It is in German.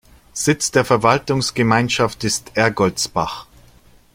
Sitz der Verwaltungsgemeinschaft ist Ergoldsbach.